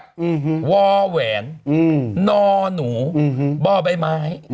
แล้ววาแหวนนอหนูบ่อแบบไม้